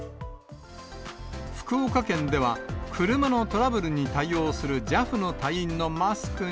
福岡県では、車のトラブルに対応するＪＡＦの隊員のマスクに。